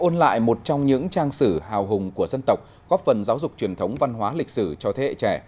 ôn lại một trong những trang sử hào hùng của dân tộc góp phần giáo dục truyền thống văn hóa lịch sử cho thế hệ trẻ